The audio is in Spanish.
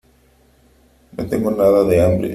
No tengo nada de hambre.